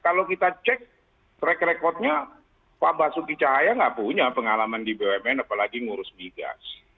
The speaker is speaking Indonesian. kalau kita cek track recordnya pak basuki cahaya nggak punya pengalaman di bumn apalagi ngurus migas